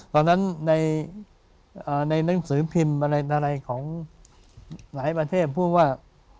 ตอนนั้นในหนังสือพิมพ์อะไรของหลายประเทศพูดว่า